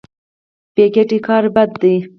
بې ګټې کار بد دی.